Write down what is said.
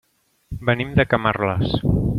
Venim de Camarles.